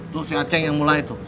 tuh si aceh yang mulai tuh